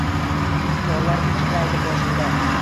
Qorlar pichirlaydi boshimda